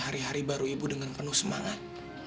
hari hari baru ibu dengan penuh semangat